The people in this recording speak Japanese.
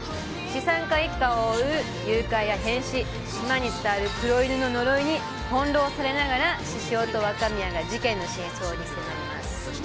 資産家一家を襲う誘拐や変死島に伝わる黒犬の呪いに翻弄されながら、獅子雄と若宮が事件の真相に迫ります。